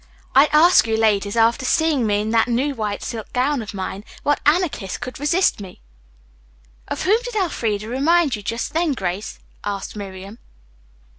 I ask you, ladies, after seeing me in that new white silk gown of mine, what Anarchist could resist me?" "Of whom did Elfreda remind you just then, Grace?" asked Miriam.